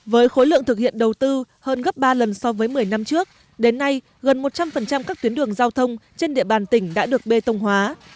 với khối lượng thực hiện đầu tư hơn gấp ba lần so với một mươi năm trước đến nay gần một trăm linh các tuyến đường giao thông trên địa bàn tỉnh đã được bê tông hóa